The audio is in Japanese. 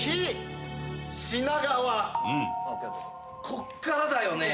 こっからだよね。